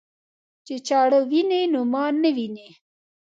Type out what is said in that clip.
چې چاړه ويني نو ما نه ويني.